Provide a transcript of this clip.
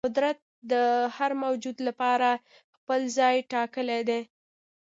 قدرت د هر موجود لپاره خپل ځای ټاکلی دی.